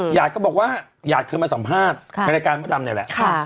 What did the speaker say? หยาดก็บอกว่าหยาดเคยมาสัมภาษณ์ในรายการมดดำนี่แหละ